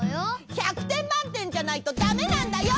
１００てんまんてんじゃないとダメなんだよ！